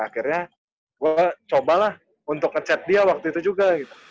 akhirnya gue cobalah untuk nge chat dia waktu itu juga